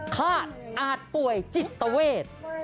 คาดอาจป่วยจิตเวท